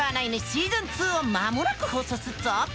シーズン２を間もなく放送すっぞ！